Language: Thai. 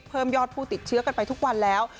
เพิ่มยอดผู้ติดเชื้อกันไปทุกวันแล้ว